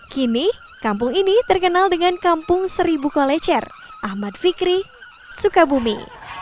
kini kampung ini terkenal dengan kampung seribu kolecer ahmad fikri sukabumi